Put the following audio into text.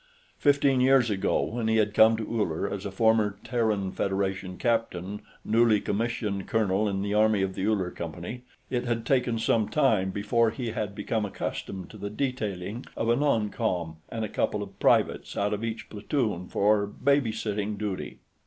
Fifteen years ago, when he had come to Uller as a former Terran Federation captain newly commissioned colonel in the army of the Uller Company, it had taken some time before he had become accustomed to the detailing of a non com and a couple of privates out of each platoon for baby sitting duty.